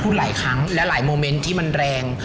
หลายครั้งและหลายโมเมนต์ที่มันแรง